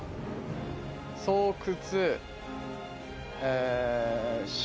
巣窟。